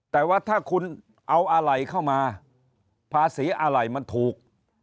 แต่ว่าถ้าคุณเอาอะไรเข้ามาภาษีอะไรมันถูก